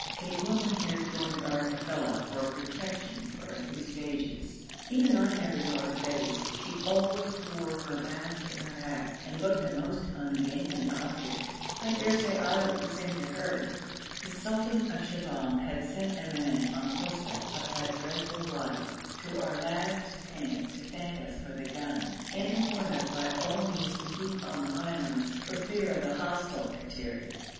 A woman here joined our kafila for protection for a few stages. Even I never saw her face: she always wore her mask and her hat, and looked a most ungainly object. I dare say I looked the same to her. The sultan of Shibahm had sent a man on horseback up that dreadful wadi to our last camp to thank us for the gun, and to warn us by all means to keep on the highlands for fear of the hostile Kattiri.